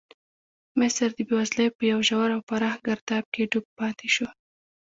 مصر د بېوزلۍ په یو ژور او پراخ ګرداب کې ډوب پاتې شو.